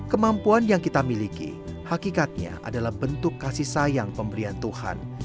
kemampuan yang kita miliki hakikatnya adalah bentuk kasih sayang pemberian tuhan